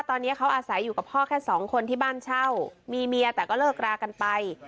ตอนนี้เขาอาศัยอยู่กับพ่อแค่สองคนที่บ้านเช่ามีเมียแต่ก็เลิกรากันไป